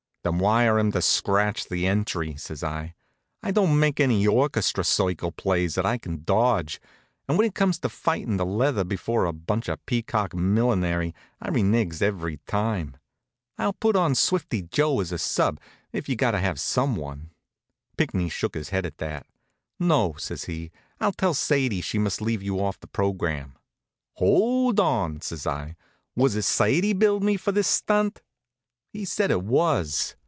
"Then wire 'em to scratch the entry," says I. "I don't make any orchestra circle plays that I can dodge, and when it comes to fightin' the leather before a bunch of peacock millinery I renigs every time. I'll put on Swifty Joe as a sub., if you've got to have some one." Pinckney shook his head at that. "No," says he, "I'll tell Sadie she must leave you off the program." "Hold on," says I. "Was it Sadie billed me for this stunt?" He said it was.